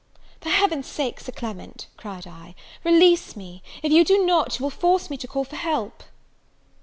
"For Heaven's sake, Sir Clement," cried I, "release me! if you do not, you will force me to call for help."